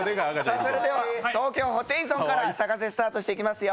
それでは東京ホテイソンから「ＳＡＫＡＳＥ」スタートしていきますよ。